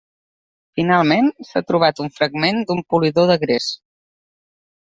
Finalment, s’ha trobat un fragment d’un polidor de gres.